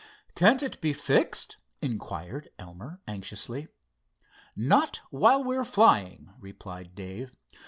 "Can't it be fixed?" inquired Elmer, anxiously. "Not while we're flying," replied Dave.